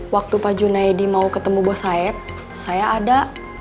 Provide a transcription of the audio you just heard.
waktu pak junaidi mau ketemu bos saya ada